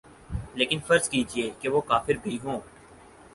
لیکن فرض کیجیے کہ وہ کافر بھی ہوں۔